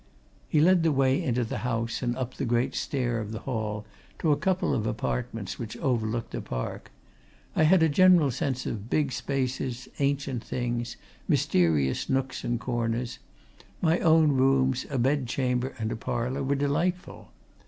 He led the way into the house and up the great stair of the hall to a couple of apartments which overlooked the park. I had a general sense of big spaces, ancient things, mysterious nooks and corners; my own rooms, a bed chamber and a parlour, were delightful.